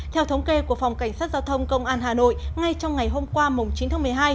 theo thống kê của phòng cảnh sát giao thông công an hà nội ngay trong ngày hôm qua chín tháng một mươi hai